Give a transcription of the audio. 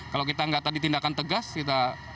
kalau kita nggak tadi tindakan tegas kita